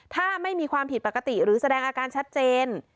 ถ้าไม่มีความผิดปกติหรือแสดงอาการชัดเจน